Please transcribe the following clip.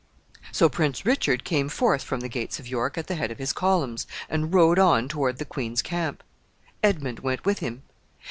] So Prince Richard came forth from the gates of York at the head of his columns, and rode on toward the queen's camp. Edmund went with him.